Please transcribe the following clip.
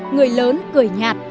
người lớn cười nhạt